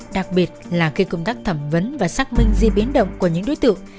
đặc biệt là khi công tác thẩm vấn và xác minh di biến động của những đối tượng